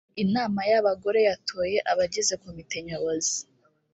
inama y’abagore yatoye abagize komite nyobozi